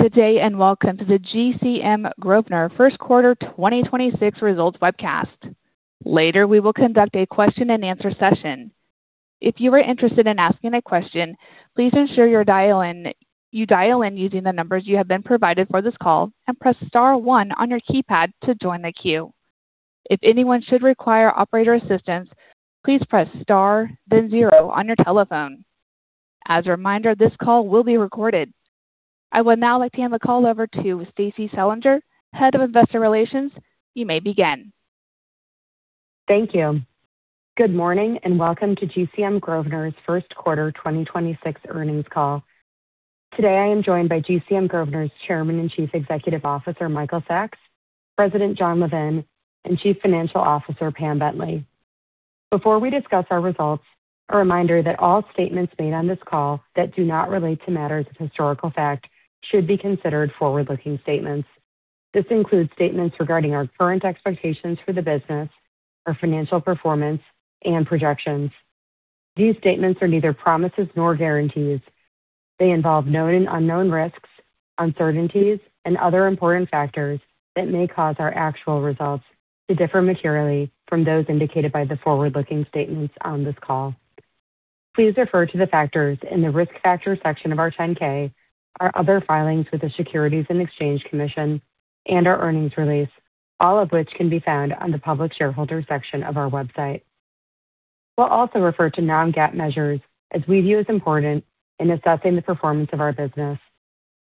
Good day. Welcome to the GCM Grosvenor 1st quarter 2026 results webcast. Later, we will conduct a question and answer session. If you are interested in asking a question, please ensure you dial in using the numbers you have been provided for this call and press star 1 on your keypad to join the queue. If anyone should require operator assistance, please press star then zero on your telephone. As a reminder, this call will be recorded. I would now like to hand the call over to Stacie Selinger, Head of Investor Relations. You may begin. Thank you. Good morning, welcome to GCM Grosvenor's First quarter 2026 Earnings Call. Today, I am joined by GCM Grosvenor's Chairman and Chief Executive Officer Michael Sacks, President Jon Levin, and Chief Financial Officer Pam Bentley. Before we discuss our results, a reminder that all statements made on this call that do not relate to matters of historical fact should be considered forward-looking statements. This includes statements regarding our current expectations for the business, our financial performance, and projections. These statements are neither promises nor guarantees. They involve known and unknown risks, uncertainties, and other important factors that may cause our actual results to differ materially from those indicated by the forward-looking statements on this call. Please refer to the factors in the Risk Factors section of our 10-K, our other filings with the Securities and Exchange Commission, and our earnings release, all of which can be found on the Public Shareholders section of our website. We'll also refer to non-GAAP measures as we view as important in assessing the performance of our business.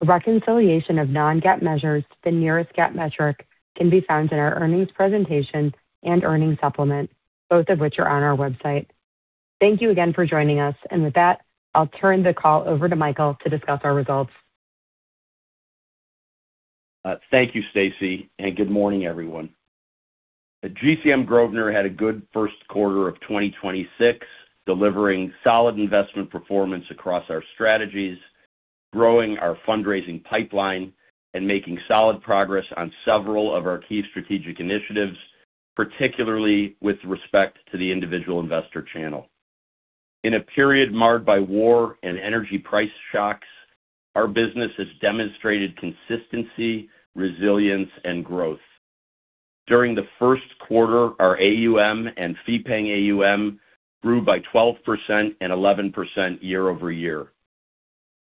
A reconciliation of non-GAAP measures to the nearest GAAP metric can be found in our earnings presentation and earnings supplement, both of which are on our website. Thank you again for joining us. With that, I'll turn the call over to Michael to discuss our results. Thank you Stacie, and good morning everyone. GCM Grosvenor had a good first quarter of 2026, delivering solid investment performance across our strategies, growing our fundraising pipeline, and making solid progress on several of our key strategic initiatives, particularly with respect to the individual investor channel. In a period marred by war and energy price shocks, our business has demonstrated consistency, resilience, and growth. During the first quarter, our AUM and fee-paying AUM grew by 12% and 11% year-over-year.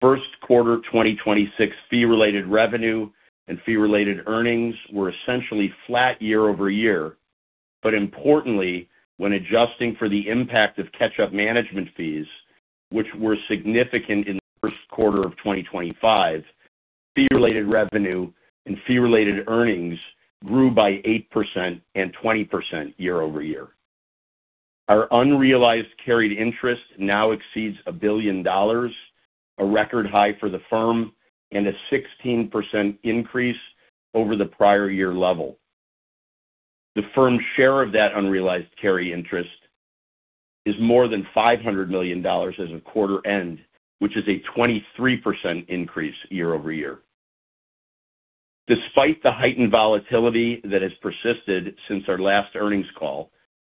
First quarter 2026 fee-related revenue and fee-related earnings were essentially flat year-over-year. Importantly, when adjusting for the impact of catch-up management fees, which were significant in the first quarter of 2025, fee-related revenue and fee-related earnings grew by 8% and 20% year-over-year. Our unrealized carried interest now exceeds $1 billion, a record high for the firm, and a 16% increase over the prior year level. The firm's share of that unrealized carried interest is more than $500 million as of quarter end, which is a 23% increase year-over-year. Despite the heightened volatility that has persisted since our last earnings call,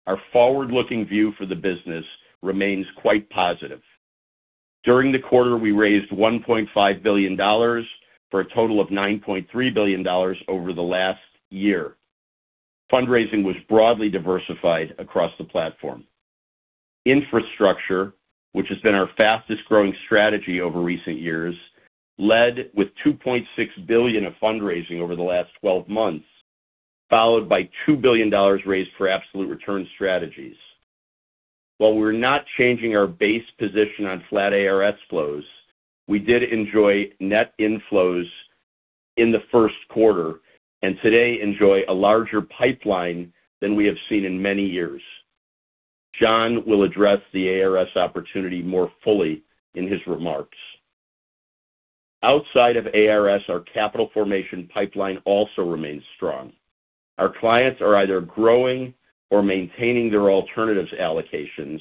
our forward-looking view for the business remains quite positive. During the quarter, we raised $1.5 billion, for a total of $9.3 billion over the last year. Fundraising was broadly diversified across the platform. Infrastructure, which has been our fastest-growing strategy over recent years, led with $2.6 billion of fundraising over the last 12 months, followed by $2 billion raised for absolute return strategies. While we're not changing our base position on flat ARS flows, we did enjoy net inflows in the first quarter and today enjoy a larger pipeline than we have seen in many years. Jon will address the ARS opportunity more fully in his remarks. Outside of ARS, our capital formation pipeline also remains strong. Our clients are either growing or maintaining their alternatives allocations,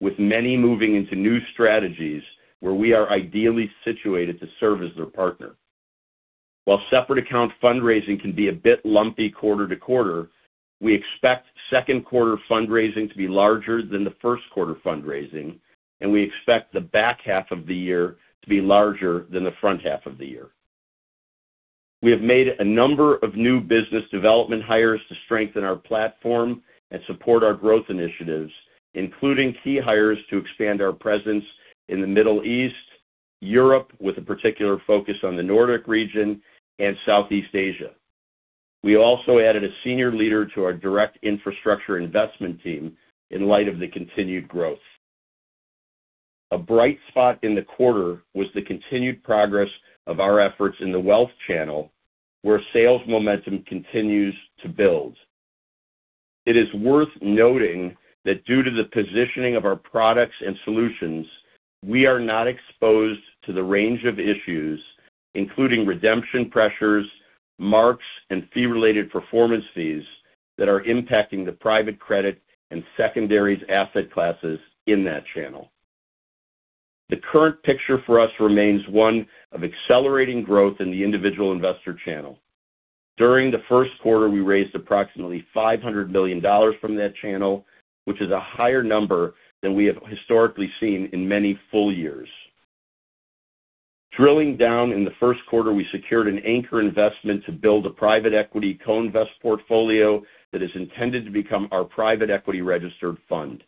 with many moving into new strategies where we are ideally situated to serve as their partner. While separate account fundraising can be a bit lumpy quarter to quarter, we expect second quarter fundraising to be larger than the first quarter fundraising, and we expect the back half of the year to be larger than the front half of the year. We have made a number of new business development hires to strengthen our platform and support our growth initiatives, including key hires to expand our presence in the Middle East, Europe, with a particular focus on the Nordic region and Southeast Asia. We also added a senior leader to our direct infrastructure investment team in light of the continued growth. A bright spot in the quarter was the continued progress of our efforts in the wealth channel, where sales momentum continues to build. It is worth noting that due to the positioning of our products and solutions, we are not exposed to the range of issues, including redemption pressures, marks, and fee-related performance fees that are impacting the private credit and secondaries asset classes in that channel. The current picture for us remains one of accelerating growth in the individual investor channel. During the first quarter, we raised approximately $500 million from that channel, which is a higher number than we have historically seen in many full years. Drilling down, in the first quarter, we secured an anchor investment to build a private equity co-invest portfolio that is intended to become our private equity registered fund.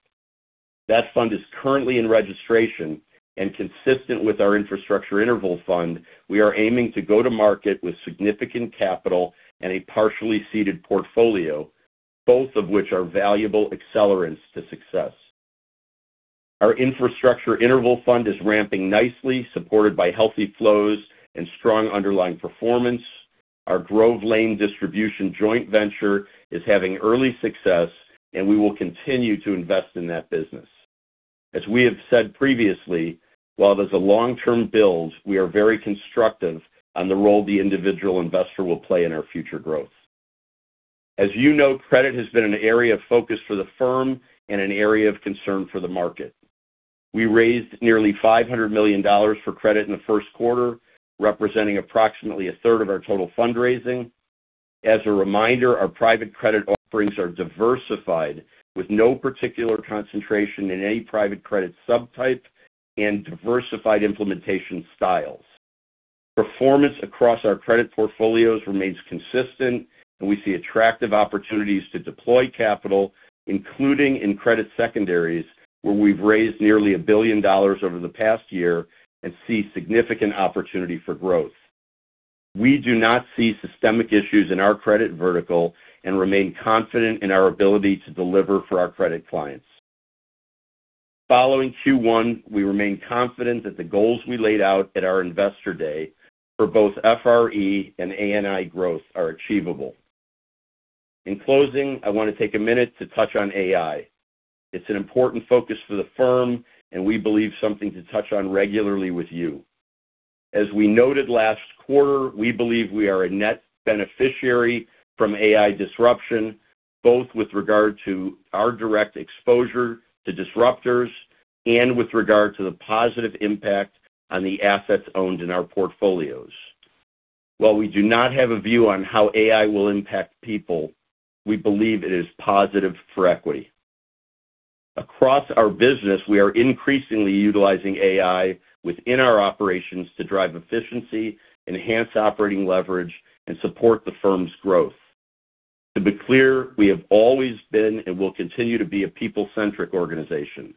That fund is currently in registration and consistent with our infrastructure interval fund, we are aiming to go to market with significant capital and a partially seeded portfolio, both of which are valuable accelerants to success. Our infrastructure interval fund is ramping nicely, supported by healthy flows and strong underlying performance. Our Grove Lane distribution joint venture is having early success, and we will continue to invest in that business. As we have said previously, while there's a long-term build, we are very constructive on the role the individual investor will play in our future growth. As you know, credit has been an area of focus for the firm and an area of concern for the market. We raised nearly $500 million for credit in the first quarter, representing approximately a third of our total fundraising. As a reminder, our private credit offerings are diversified with no particular concentration in any private credit subtype and diversified implementation styles. Performance across our credit portfolios remains consistent, and we see attractive opportunities to deploy capital, including in credit secondaries, where we've raised nearly $1 billion over the past year and see significant opportunity for growth. We do not see systemic issues in our credit vertical and remain confident in our ability to deliver for our credit clients. Following Q1, we remain confident that the goals we laid out at our Investor Day for both FRE and ANI growth are achievable. In closing, I wanna take a minute to touch on AI. It's an important focus for the firm and we believe something to touch on regularly with you. As we noted last quarter, we believe we are a net beneficiary from AI disruption, both with regard to our direct exposure to disruptors and with regard to the positive impact on the assets owned in our portfolios. While we do not have a view on how AI will impact people, we believe it is positive for equity. Across our business, we are increasingly utilizing AI within our operations to drive efficiency, enhance operating leverage, and support the firm's growth. To be clear, we have always been and will continue to be a people-centric organization.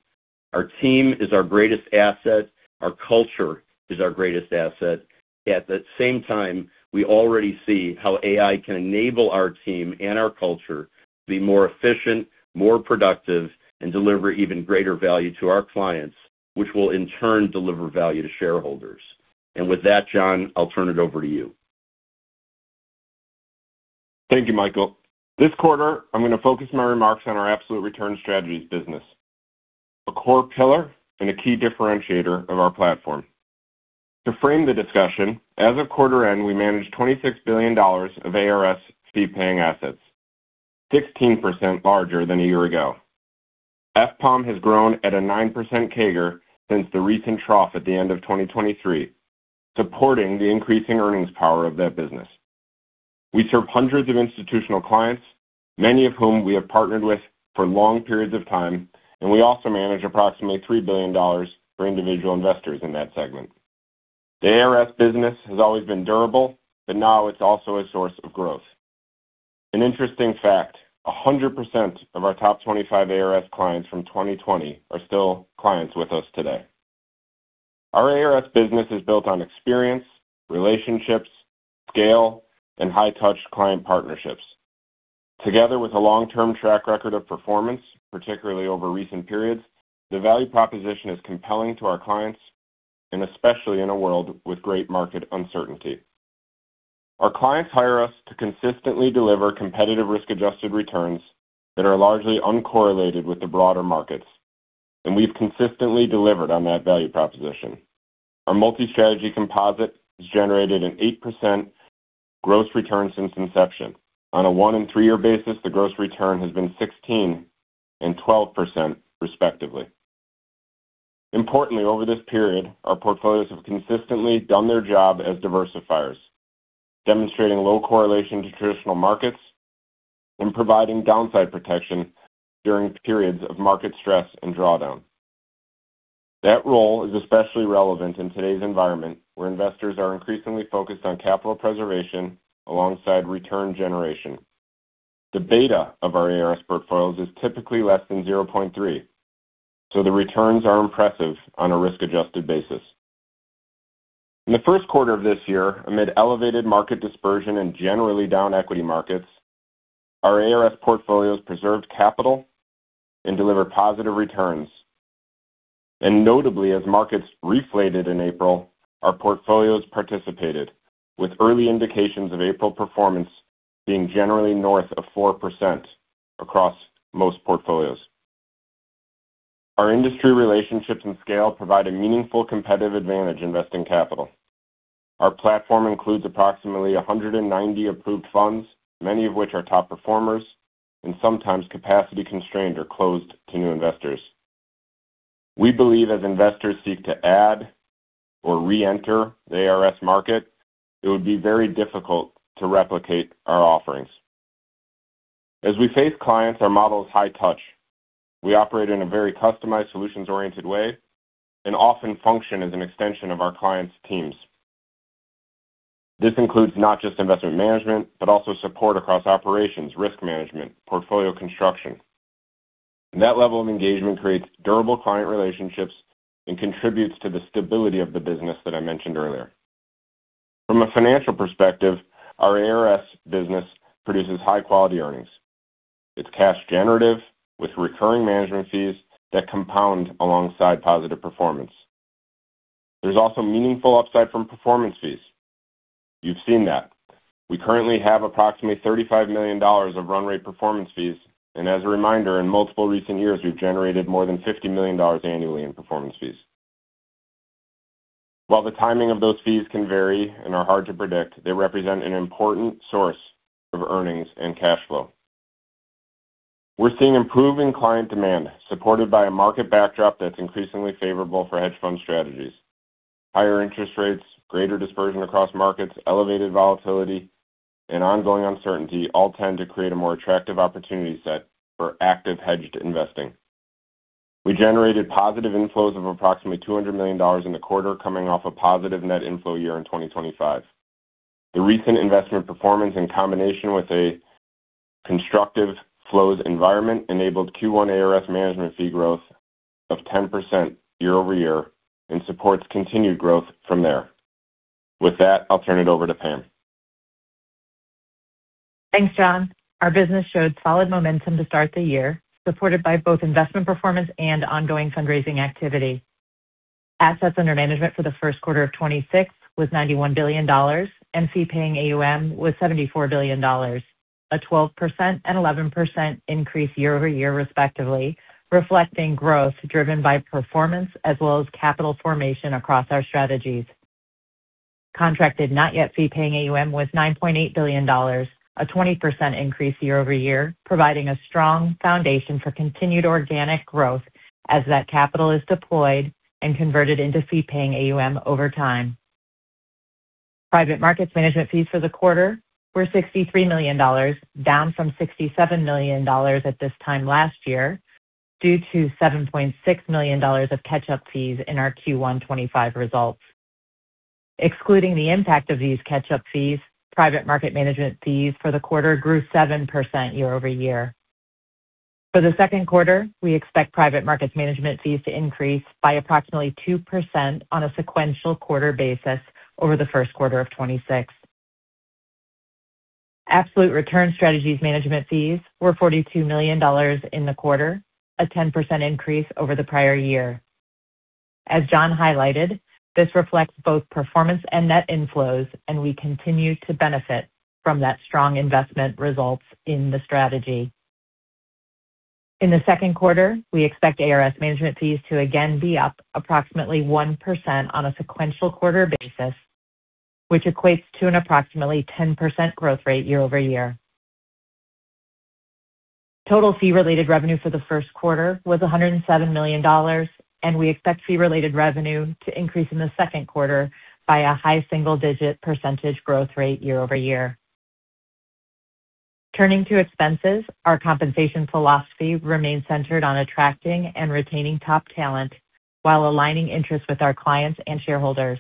Our team is our greatest asset. Our culture is our greatest asset. At the same time, we already see how AI can enable our team and our culture to be more efficient, more productive, and deliver even greater value to our clients, which will in turn deliver value to shareholders. With that, Jon, I'll turn it over to you. Thank you, Michael. This quarter, I'm gonna focus my remarks on our absolute return strategies business, a core pillar and a key differentiator of our platform. To frame the discussion, as of quarter end, we managed $26 billion of ARS Fee-Paying Assets, 16% larger than a year ago. FPAUM has grown at a 9% CAGR since the recent trough at the end of 2023, supporting the increasing earnings power of that business. We serve hundreds of institutional clients, many of whom we have partnered with for long periods of time, and we also manage approximately $3 billion for individual investors in that segment. The ARS business has always been durable, but now it's also a source of growth. An interesting fact, 100% of our top 25 ARS clients from 2020 are still clients with us today. Our ARS business is built on experience, relationships, scale, and high-touch client partnerships. Together with a long-term track record of performance, particularly over recent periods, the value proposition is compelling to our clients, and especially in a world with great market uncertainty. Our clients hire us to consistently deliver competitive risk-adjusted returns that are largely uncorrelated with the broader markets, and we've consistently delivered on that value proposition. Our multi-strategy composite has generated an 8% gross return since inception. On a one and three-year basis, the gross return has been 16% and 12%, respectively. Importantly, over this period, our portfolios have consistently done their job as diversifiers, demonstrating low correlation to traditional markets and providing downside protection during periods of market stress and drawdown. That role is especially relevant in today's environment, where investors are increasingly focused on capital preservation alongside return generation. The beta of our ARS portfolios is typically less than 0.3, so the returns are impressive on a risk-adjusted basis. In the first quarter of this year, amid elevated market dispersion and generally down equity markets, our ARS portfolios preserved capital and delivered positive returns. Notably, as markets reflated in April, our portfolios participated, with early indications of April performance being generally north of 4% across most portfolios. Our industry relationships and scale provide a meaningful competitive advantage investing capital. Our platform includes approximately 190 approved funds, many of which are top performers and sometimes capacity-constrained or closed to new investors. We believe as investors seek to add or reenter the ARS market, it would be very difficult to replicate our offerings. As we face clients, our model is high touch. We operate in a very customized, solutions-oriented way and often function as an extension of our clients' teams. This includes not just investment management, but also support across operations, risk management, portfolio construction. That level of engagement creates durable client relationships and contributes to the stability of the business that I mentioned earlier. From a financial perspective, our ARS business produces high-quality earnings. It's cash generative with recurring management fees that compound alongside positive performance. There's also meaningful upside from performance fees. You've seen that. We currently have approximately $35 million of run rate performance fees, and as a reminder, in multiple recent years, we've generated more than $50 million annually in performance fees. While the timing of those fees can vary and are hard to predict, they represent an important source of earnings and cash flow. We're seeing improving client demand supported by a market backdrop that's increasingly favorable for hedge fund strategies. Higher interest rates, greater dispersion across markets, elevated volatility, and ongoing uncertainty all tend to create a more attractive opportunity set for active hedged investing. We generated positive inflows of approximately $200 million in the quarter coming off a positive net inflow year in 2025. The recent investment performance in combination with a constructive flows environment enabled Q1 ARS management fee growth of 10% year-over-year and supports continued growth from there. With that, I'll turn it over to Pam. Thanks, Jon. Our business showed solid momentum to start the year, supported by both investment performance and ongoing fundraising activity. Assets under management for the first quarter of 2026 was $91 billion, and fee-paying AUM was $74 billion, a 12% and 11% increase year-over-year respectively, reflecting growth driven by performance as well as capital formation across our strategies. Contracted not yet Fee-Paying AUM was $9.8 billion, a 20% increase year-over-year, providing a strong foundation for continued organic growth as that capital is deployed and converted into Fee-Paying AUM over time. Private Markets management fees for the quarter were $63 million, down from $67 million at this time last year due to $7.6 million of catch-up fees in our Q1 2025 results. Excluding the impact of these catch-up fees. Private markets management fees for the quarter grew 7% year-over-year. For the second quarter, we expect private markets management fees to increase by approximately 2% on a sequential quarter basis over the first quarter of 2026. absolute return strategies management fees were $42 million in the quarter, a 10% increase over the prior year. As Jon highlighted, this reflects both performance and net inflows, and we continue to benefit from that strong investment results in the strategy. In the second quarter, we expect ARS management fees to again be up approximately 1% on a sequential quarter basis, which equates to an approximately 10% growth rate year-over-year. Total fee-related revenue for the first quarter was $107 million. We expect fee-related revenue to increase in the second quarter by a high single-digit percentage growth rate year-over-year. Turning to expenses, our compensation philosophy remains centered on attracting and retaining top talent while aligning interests with our clients and shareholders.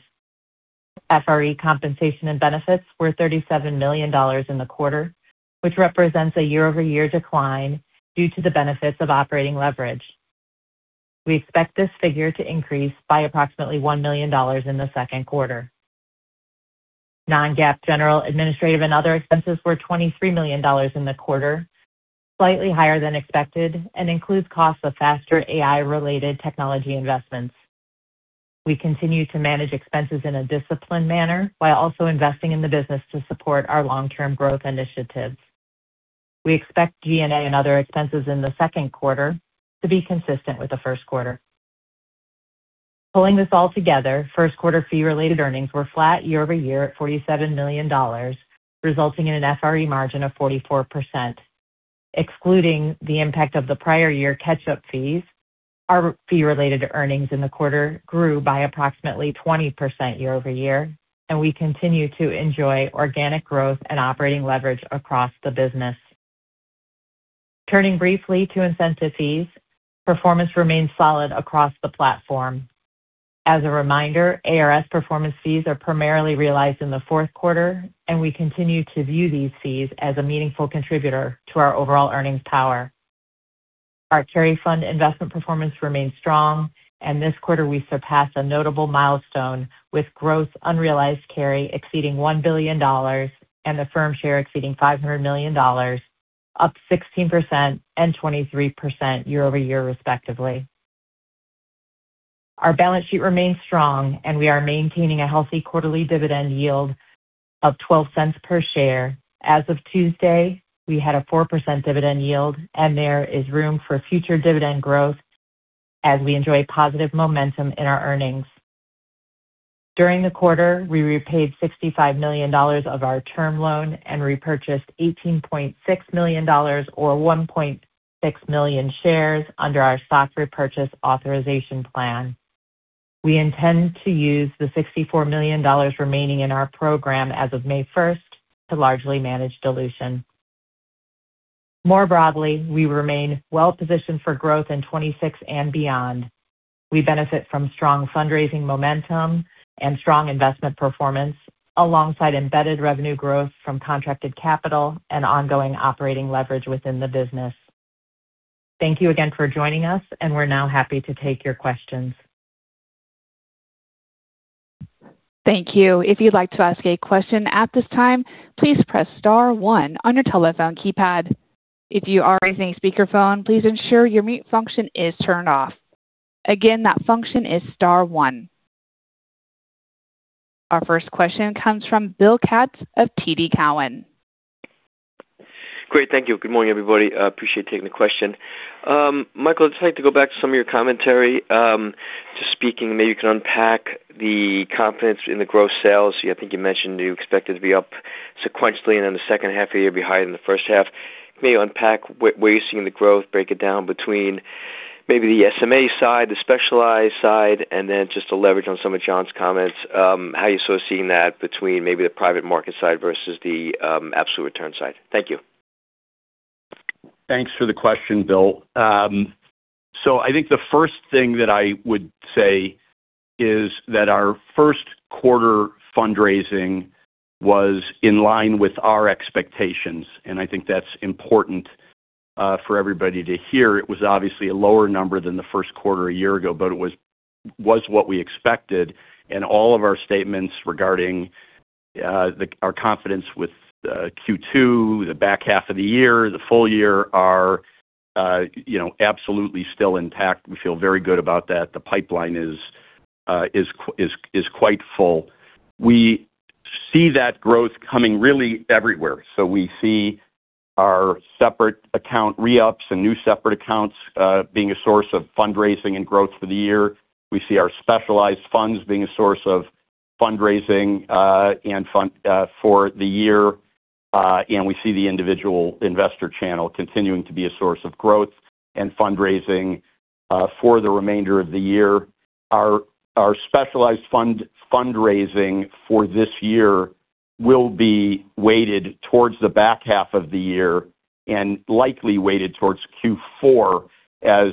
FRE compensation and benefits were $37 million in the quarter, which represents a year-over-year decline due to the benefits of operating leverage. We expect this figure to increase by approximately $1 million in the second quarter. Non-GAAP general, administrative, and other expenses were $23 million in the quarter, slightly higher than expected and includes costs of faster AI-related technology investments. We continue to manage expenses in a disciplined manner while also investing in the business to support our long-term growth initiatives. We expect G&A and other expenses in the second quarter to be consistent with the first quarter. Pulling this all together, first quarter fee-related earnings were flat year-over-year at $47 million, resulting in an FRE margin of 44%. Excluding the impact of the prior year catch-up fees, our fee-related earnings in the quarter grew by approximately 20% year-over-year, and we continue to enjoy organic growth and operating leverage across the business. Turning briefly to incentive fees, performance remains solid across the platform. As a reminder, ARS performance fees are primarily realized in the fourth quarter, and we continue to view these fees as a meaningful contributor to our overall earnings power. Our carry fund investment performance remains strong, and this quarter we surpassed a notable milestone with gross unrealized carry exceeding $1 billion and the firm share exceeding $500 million, up 16% and 23% year-over-year respectively. Our balance sheet remains strong, and we are maintaining a healthy quarterly dividend yield of $0.12 per share. As of Tuesday, we had a 4% dividend yield, and there is room for future dividend growth as we enjoy positive momentum in our earnings. During the quarter, we repaid $65 million of our term loan and repurchased $18.6 million or 1.6 million shares under our stock repurchase authorization plan. We intend to use the $64 million remaining in our program as of May 1st to largely manage dilution. More broadly, we remain well-positioned for growth in 2026 and beyond. We benefit from strong fundraising momentum and strong investment performance alongside embedded revenue growth from contracted capital and ongoing operating leverage within the business. Thank you again for joining us, and we're now happy to take your questions. Thank you. Our first question comes from Bill Katz of TD Cowen. Great. Thank you. Good morning, everybody. Appreciate you taking the question. Michael, I'd just like to go back to some of your commentary. Just speaking, maybe you can unpack the confidence in the growth sales. I think you mentioned you expect it to be up sequentially and in the second half of the year be higher than the first half. Can you unpack where you're seeing the growth, break it down between maybe the SMA side, the specialized side, and then just to leverage on some of Jon's comments, how you sort of seeing that between maybe the private market side versus the absolute return side. Thank you. Thanks for the question, Bill. I think the first thing that I would say is that our first quarter fundraising was in line with our expectations, and I think that's important for everybody to hear. It was obviously a lower number than the first quarter a year ago, but it was what we expected. All of our statements regarding our confidence with Q2, the back half of the year, the full year are, you know, absolutely still intact. We feel very good about that. The pipeline is quite full. We see that growth coming really everywhere. We see our separate account re-ups and new separate accounts being a source of fundraising and growth for the year. We see our specialized funds being a source of fundraising and fund for the year. We see the individual investor channel continuing to be a source of growth and fundraising for the remainder of the year. Our specialized fund fundraising for this year will be weighted towards the back half of the year and likely weighted towards Q4 as,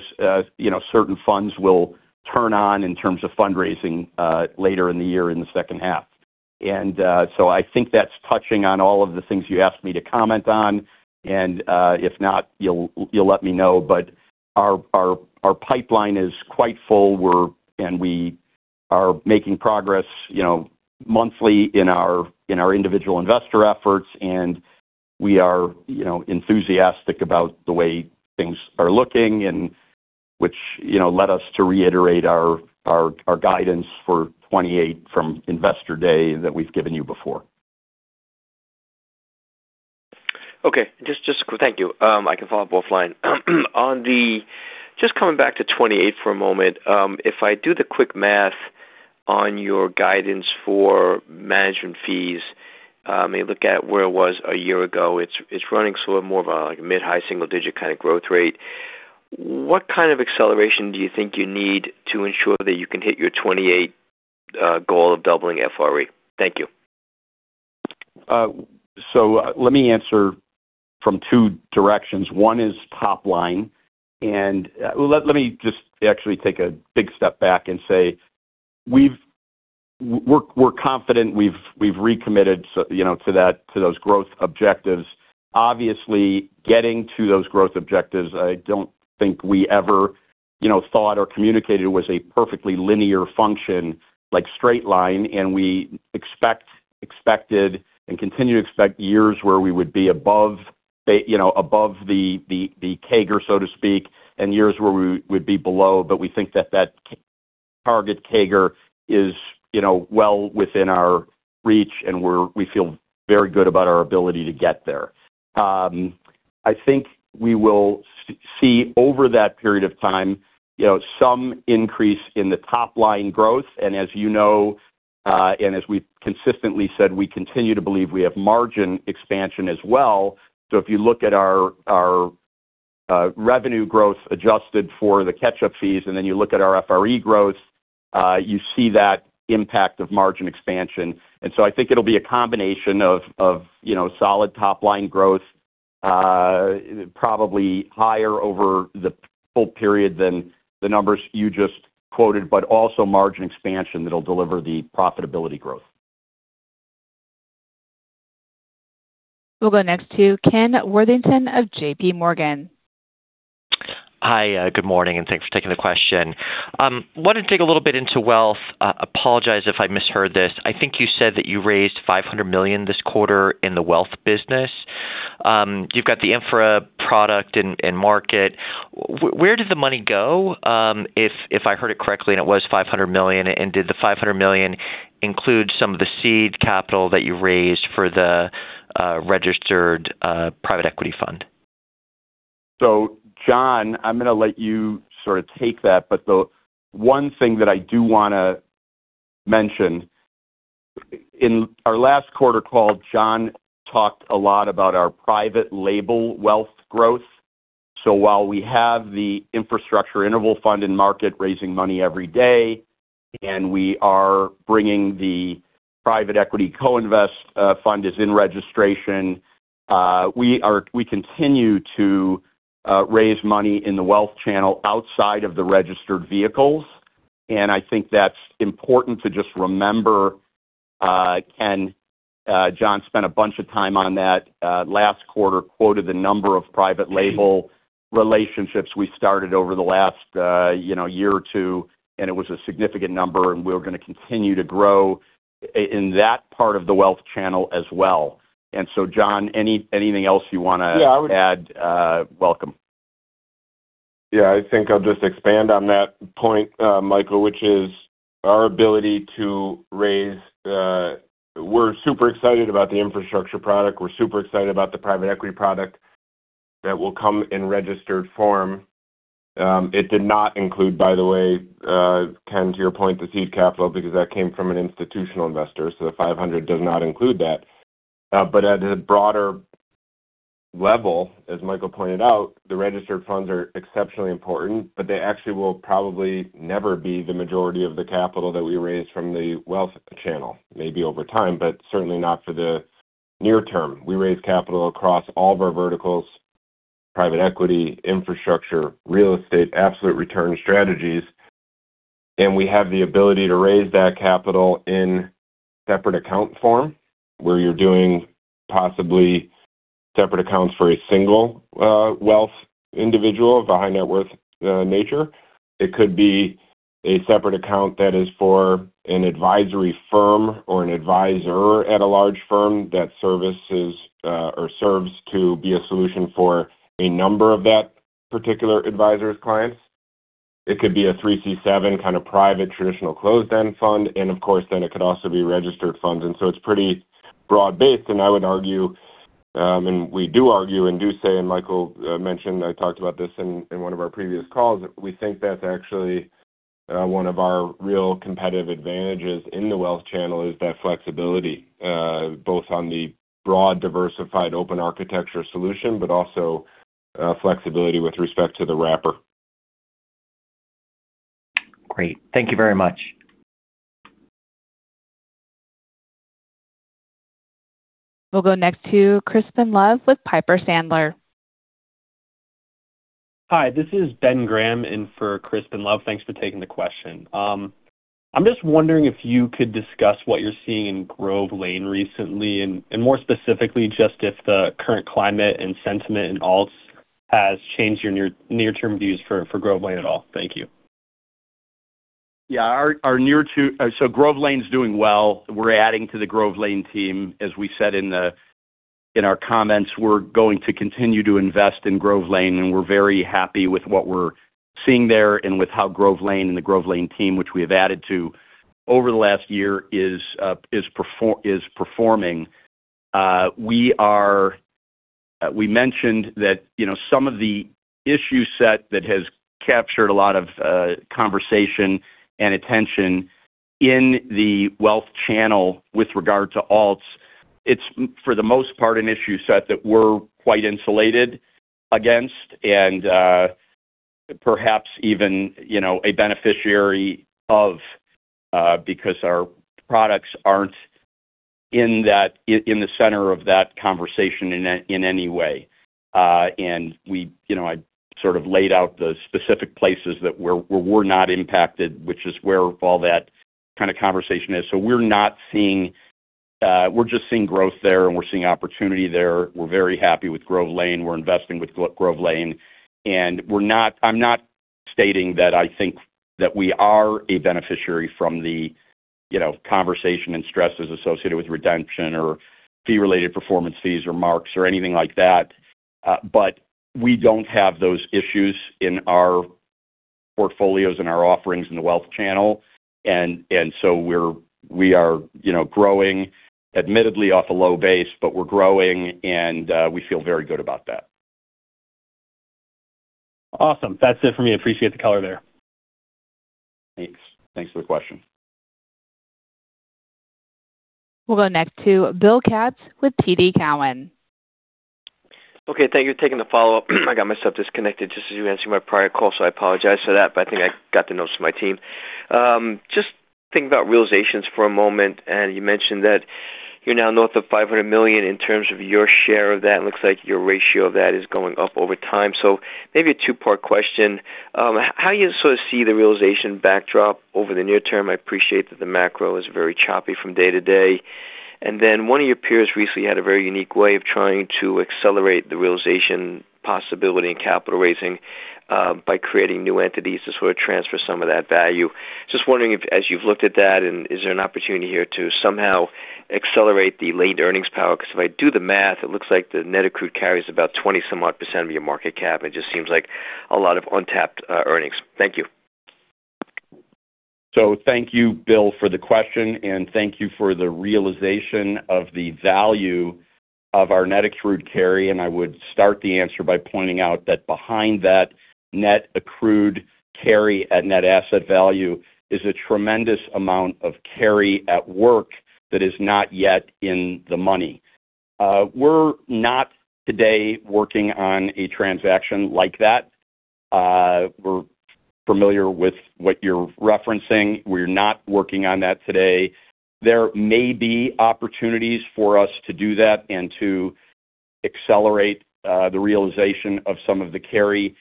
you know, certain funds will turn on in terms of fundraising later in the year in the second half. I think that's touching on all of the things you asked me to comment on. If not, you'll let me know. Our pipeline is quite full. We are making progress, you know, monthly in our individual investor efforts, and we are, you know, enthusiastic about the way things are looking and which, you know, led us to reiterate our guidance for 2028 from Investor Day that we've given you before. Okay. Just Thank you. I can follow up offline. Just coming back to 2028 for a moment. If I do the quick math on your guidance for management fees, and look at where it was a year ago, it's running sort of more of a, like, a mid-high single-digit kinda growth rate. What kind of acceleration do you think you need to ensure that you can hit your 2028 goal of doubling FRE? Thank you. Let me answer from two directions. One is top line. Let me just actually take a big step back and say we're confident. We've recommitted, you know, to that, to those growth objectives. Obviously, getting to those growth objectives, I don't think we ever, you know, thought or communicated was a perfectly linear function like straight line. We expected and continue to expect years where we would be above the, you know, above the CAGR, so to speak, and years where we would be below. We think that that target CAGR is, you know, well within our reach, and we feel very good about our ability to get there. I think we will see over that period of time, you know, some increase in the top line growth. As you know, and as we've consistently said, we continue to believe we have margin expansion as well. If you look at our revenue growth adjusted for the catch-up fees, and then you look at our FRE growth, you see that impact of margin expansion. I think it'll be a combination of, you know, solid top-line growth, probably higher over the full period than the numbers you just quoted, but also margin expansion that'll deliver the profitability growth. We'll go next to Ken Worthington of J.P. Morgan. Hi, good morning, thanks for taking the question. Wanted to dig a little bit into wealth. Apologize if I misheard this. I think you said that you raised $500 million this quarter in the Wealth business. You've got the infrastructure product and market. Where did the money go? If I heard it correctly, and it was $500 million, and did the $500 million include some of the seed capital that you raised for the registered private equity fund? Jon, I'm gonna let you sort of take that. The one thing that I do wanna mention, in our last quarter call, Jon talked a lot about our private label wealth growth. While we have the infrastructure interval fund and market raising money every day, and we are bringing the private equity co-investment fund is in registration, we continue to raise money in the wealth channel outside of the registered vehicles. I think that's important to just remember. Ken, Jon spent a bunch of time on that last quarter, quoted the number of private label relationships we started over the last, you know, year or two, and it was a significant number, and we're gonna continue to grow in that part of the wealth channel as well. Jon, anything else you wanna add? Welcome. I think I'll just expand on that point, Michael, which is our ability to raise. We're super excited about the infrastructure product. We're super excited about the private equity product that will come in registered form. It did not include, by the way, Ken, to your point, the seed capital because that came from an institutional investor, so the $500 million does not include that. At a broader level, as Michael pointed out, the registered funds are exceptionally important, but they actually will probably never be the majority of the capital that we raise from the wealth channel. Maybe over time, certainly not for the near term. We raise capital across all of our verticals: private equity, infrastructure, real estate, absolute return strategies. We have the ability to raise that capital in separate account form, where you're doing possibly separate accounts for a single wealth individual of a high net worth nature. It could be a separate account that is for an advisory firm or an advisor at a large firm that services or serves to be a solution for a number of that particular advisor's clients. It could be a 3(c)(7) kind of private traditional closed-end fund, and of course, then it could also be registered funds. So it's pretty broad-based, and I would argue, and we do argue and do say, and Michael mentioned, I talked about this in one of our previous calls. We think that's actually one of our real competitive advantages in the wealth channel, is that flexibility, both on the broad, diversified, open architecture solution, but also flexibility with respect to the wrapper. Great. Thank you very much. We'll go next to Crispin Love with Piper Sandler. Hi, this is Ben Graham in for Crispin Love. Thanks for taking the question. I'm just wondering if you could discuss what you're seeing in Grove Lane recently, and more specifically, just if the current climate and sentiment in alts has changed your near-term views for Grove Lane at all. Thank you. Grove Lane's doing well. We're adding to the Grove Lane team. As we said in our comments, we're going to continue to invest in Grove Lane, and we're very happy with what we're seeing there and with how Grove Lane and the Grove Lane team, which we have added to over the last year is performing. We mentioned that, you know, some of the issue set that has captured a lot of conversation and attention in the wealth channel with regard to alts, it's, for the most part, an issue set that we're quite insulated against and, perhaps even, you know, a beneficiary of, because our products aren't in the center of that conversation in any way. We, you know, I sort of laid out the specific places that we're where we're not impacted, which is where all that kinda conversation is. We're not seeing, we're just seeing growth there, and we're seeing opportunity there. We're very happy with Grove Lane. We're investing with Grove Lane, we're not, I'm not stating that I think that we are a beneficiary from the, you know, conversation and stresses associated with redemption or fee-related performance fees or marks or anything like that. We don't have those issues in our portfolios and our offerings in the wealth channel. We are, you know, growing, admittedly off a low base, but we're growing and we feel very good about that. Awesome. That's it for me. Appreciate the color there. Thanks. Thanks for the question. We'll go next to Bill Katz with TD Cowen. Okay. Thank you for taking the follow-up. I got myself disconnected just as you were answering my prior call, so I apologize for that, but I think I got the notes from my team. Just think about realizations for a moment, and you mentioned that you're now north of $500 million. In terms of your share of that, it looks like your ratio of that is going up over time. Maybe a two-part question. How do you sort of see the realization backdrop over the near term? I appreciate that the macro is very choppy from day to day. One of your peers recently had a very unique way of trying to accelerate the realization possibility in capital raising, by creating new entities to sort of transfer some of that value. Just wondering if as you've looked at that, is there an opportunity here to somehow accelerate the latent earnings power? 'Cause if I do the math, it looks like the net accrued carry is about 20 some odd % of your market cap. It just seems like a lot of untapped earnings. Thank you. Thank you, Bill, for the question, and thank you for the realization of the value of our net accrued carry. I would start the answer by pointing out that behind that net accrued carry at net asset value is a tremendous amount of carry at work that is not yet in the money. We're not today working on a transaction like that. We're familiar with what you're referencing. We're not working on that today. There may be opportunities for us to do that and to accelerate the realization of some of the carry.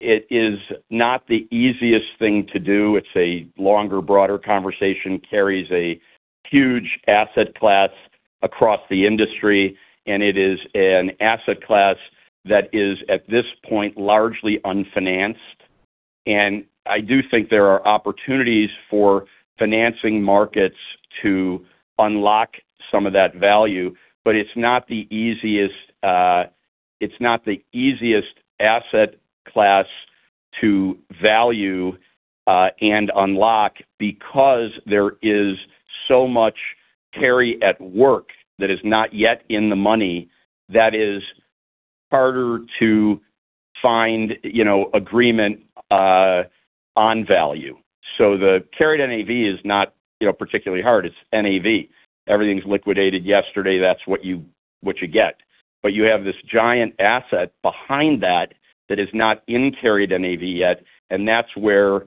It is not the easiest thing to do. It's a longer broader conversation. Carry is a huge asset class across the industry, and it is an asset class that is, at this point, largely unfinanced. I do think there are opportunities for financing markets to unlock some of that value, but it's not the easiest, it's not the easiest asset class to value and unlock because there is so much carry at work that is not yet in the money that is harder to find, you know, agreement on value. The carried NAV is not, you know, particularly hard. It's NAV. Everything's liquidated yesterday, that's what you get. You have this giant asset behind that that is not in carried NAV yet, and that's where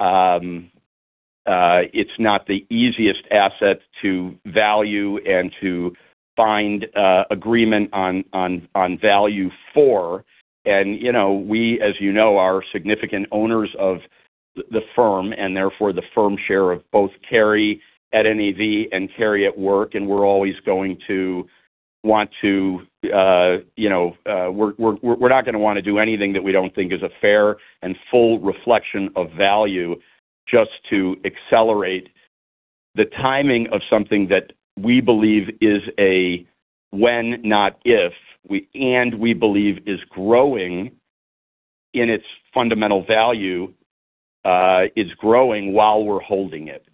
it's not the easiest asset to value and to find agreement on value for. You know, we, as you know, are significant owners of the firm and therefore the firm share of both Carry at NAV and Carry at work. We're always going to want to, you know, not gonna wanna do anything that we don't think is a fair and full reflection of value just to accelerate the timing of something that we believe is a when, not if, and we believe is growing in its fundamental value, is growing while we're holding it.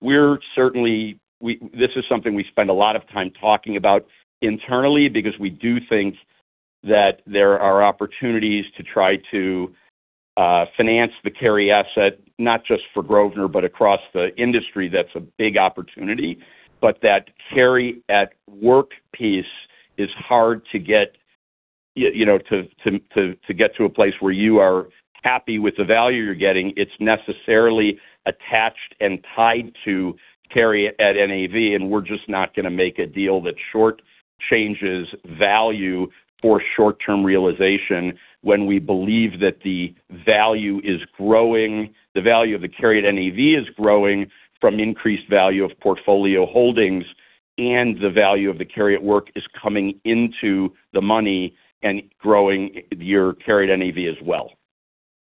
We're certainly this is something we spend a lot of time talking about internally because we do think that there are opportunities to try to finance the carry asset, not just for Grosvenor, but across the industry, that's a big opportunity. That carry at work piece is hard to get, you know, to get to a place where you are happy with the value you're getting. It's necessarily attached and tied to carry at NAV, and we're just not gonna make a deal that short-changes value for short-term realization when we believe that the value is growing. The value of the carry at NAV is growing from increased value of portfolio holdings, and the value of the carry at work is coming into the money and growing your carried NAV as well.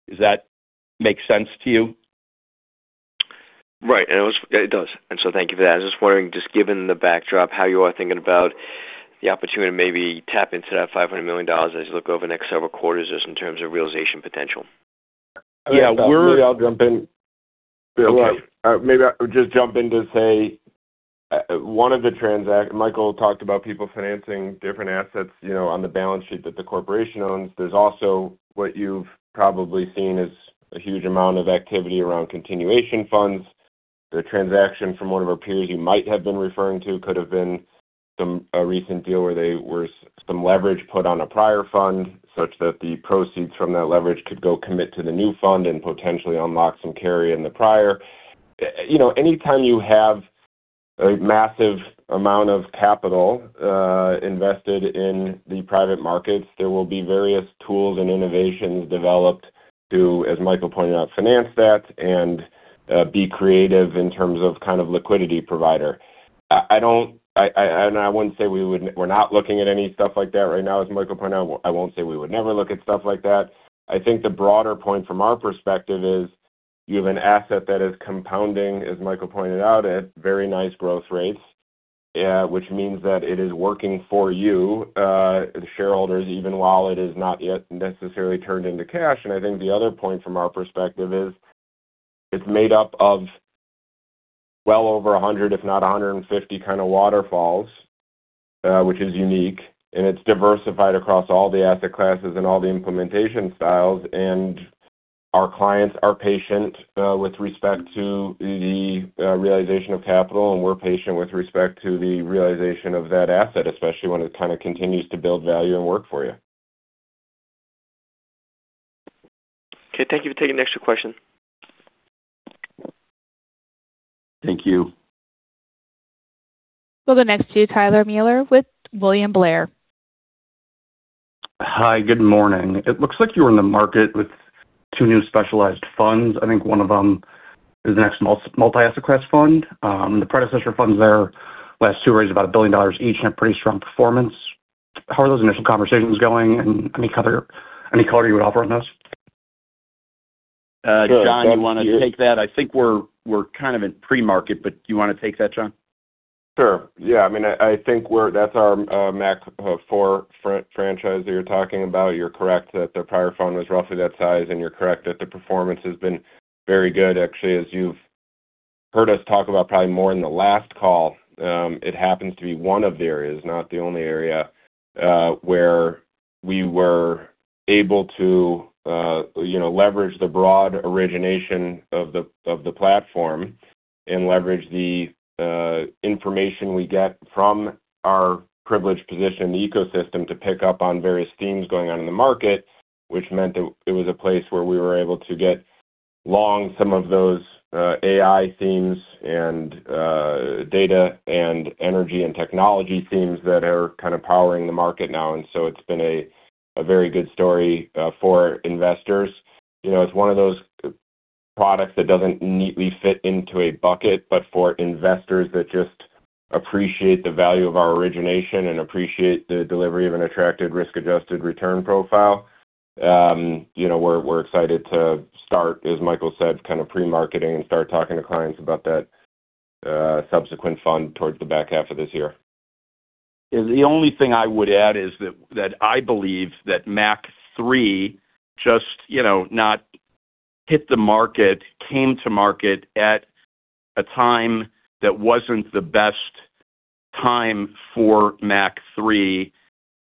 Does that make sense to you? Right. It does. Thank you for that. I was just wondering, just given the backdrop, how you are thinking about the opportunity to maybe tap into that $500 million as you look over the next several quarters just in terms of realization potential. Yeah. Maybe I'll jump in. Okay. Maybe I'll just jump in to say, Michael talked about people financing different assets, you know, on the balance sheet that the corporation owns. There's also what you've probably seen is a huge amount of activity around continuation funds. The transaction from one of our peers you might have been referring to could have been a recent deal where they were some leverage put on a prior fund such that the proceeds from that leverage could go commit to the new fund and potentially unlock some carry in the prior. You know, anytime you have a massive amount of capital invested in the private markets, there will be various tools and innovations developed to, as Michael pointed out, finance that and be creative in terms of kind of liquidity provider. I don't, and I wouldn't say we're not looking at any stuff like that right now, as Michael pointed out. I won't say we would never look at stuff like that. I think the broader point from our perspective is you have an asset that is compounding, as Michael pointed out, at very nice growth rates, which means that it is working for you, the shareholders, even while it is not yet necessarily turned into cash. I think the other point from our perspective is it's made up of well over 100, if not 150 kind of waterfalls, which is unique, and it's diversified across all the asset classes and all the implementation styles. Our clients are patient with respect to the realization of capital, and we're patient with respect to the realization of that asset, especially when it kinda continues to build value and work for you. Okay. Thank you for taking the extra question. Thank you. We'll go next to Tyler Miller with William Blair. Hi. Good morning. It looks like you were in the market with two new specialized funds. I think one of them is the next multi-asset class fund. The predecessor funds there, last two raised about $1 billion each and a pretty strong performance. How are those initial conversations going? Any color you would offer on those? Jon, you wanna take that? I think we're kind of in pre-market, but do you wanna take that, Jon? Sure. Yeah, I mean, I think that's our MAC IV franchise that you're talking about. You're correct that their prior fund was roughly that size, and you're correct that the performance has been very good. Actually, as you've heard us talk about probably more in the last call, it happens to be one of the areas, not the only area, where we were able to, you know, leverage the broad origination of the platform and leverage the information we get from our privileged position in the ecosystem to pick up on various themes going on in the market, which meant that it was a place where we were able to get long some of those AI themes and data and energy and technology themes that are kind of powering the market now. It's been a very good story for investors. You know, it's one of those products that doesn't neatly fit into a bucket, but for investors that just appreciate the value of our origination and appreciate the delivery of an attractive risk-adjusted return profile, you know, we're excited to start, as Michael said, kind of pre-marketing and start talking to clients about that subsequent fund towards the back half of this year. The only thing I would add is that I believe that MAC III just, you know, not hit the market, came to market at a time that wasn't the best time for MAC III.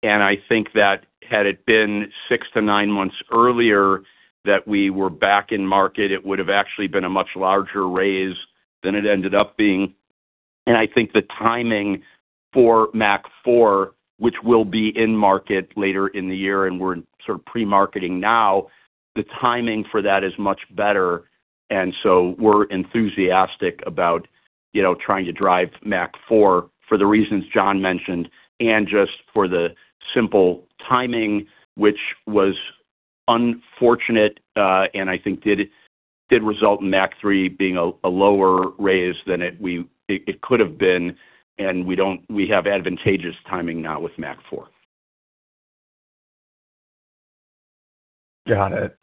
I think that had it been six to nine months earlier that we were back in market, it would have actually been a much larger raise than it ended up being. I think the timing for MAC IV, which will be in market later in the year, and we're sort of pre-marketing now, the timing for that is much better. We're enthusiastic about, you know, trying to drive MAC IV for the reasons Jon mentioned and just for the simple timing, which was unfortunate, and I think did result in MAC III being a lower raise than it could have been, and we have advantageous timing now with MAC IV. Got it.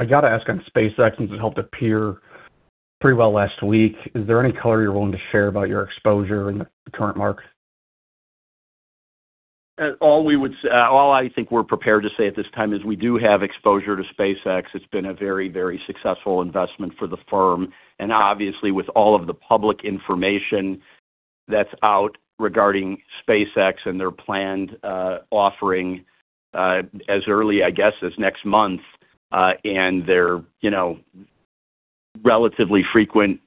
I gotta ask on SpaceX since it held up here pretty well last week. Is there any color you're willing to share about your exposure in the current market? All I think we're prepared to say at this time is we do have exposure to SpaceX. It's been a very successful investment for the firm. Obviously, with all of the public information that's out regarding SpaceX and their planned offering, as early, I guess, as next month, and their, you know, relatively frequent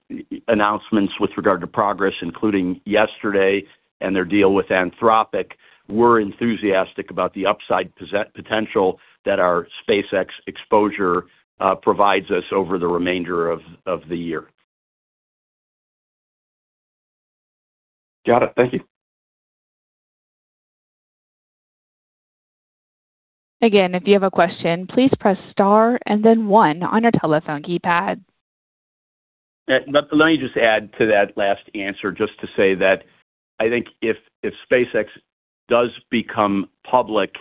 announcements with regard to progress, including yesterday and their deal with Anthropic, we're enthusiastic about the upside potential that our SpaceX exposure provides us over the remainder of the year. Got it. Thank you. Again, if you have a question, please press star and then one on your telephone keypad. Let me just add to that last answer just to say that I think if SpaceX does become public,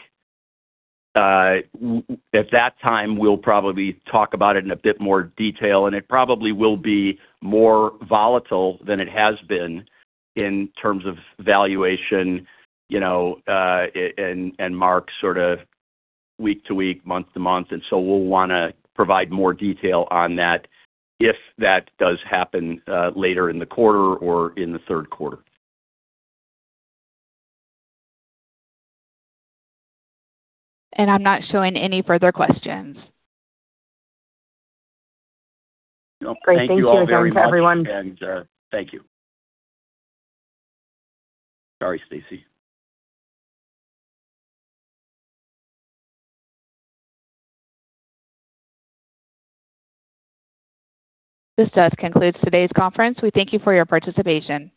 at that time, we'll probably talk about it in a bit more detail, and it probably will be more volatile than it has been in terms of valuation, you know, and mark sort of week to week, month to month. We'll wanna provide more detail on that if that does happen, later in the quarter or in the third quarter. I'm not showing any further questions. Well, thank you all very much. Great. Thank you again to everyone. Thank you. Sorry, Stacie. This does concludes today's conference. We thank you for your participation.